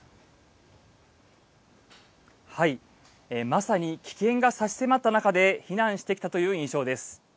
まさに危険が差し迫った中で避難してきたという印象です。